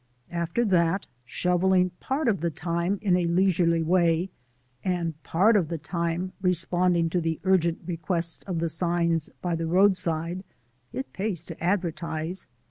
After that, shovelling part of the time in a leisurely way, and part of the time responding to the urgent request of the signs by the roadside (it pays to advertise!)